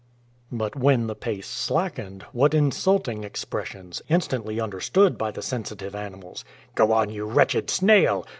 But when the pace slackened, what insulting expressions, instantly understood by the sensitive animals! "Go on, you wretched snail!